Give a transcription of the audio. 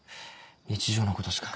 日常のことしか。